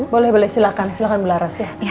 boleh silahkan bu laras ya